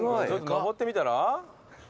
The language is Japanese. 登ってみたら？